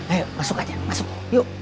ayo masuk aja masuk yuk